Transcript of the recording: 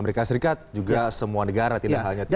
amerika serikat juga semua negara tidak hanya tiongkok